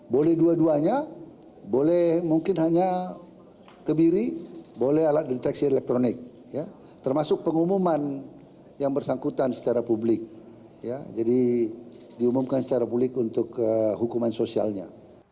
boleh dua duanya boleh mungkin hanya kebiri boleh alat deteksi elektronik termasuk pengumuman yang bersangkutan secara publik jadi diumumkan secara publik untuk hukuman sosialnya